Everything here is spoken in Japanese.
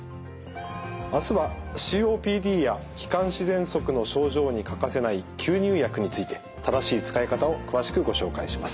明日はＣＯＰＤや気管支ぜんそくの症状に欠かせない吸入薬について正しい使い方を詳しくご紹介します。